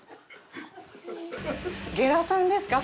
ゲラさんですか？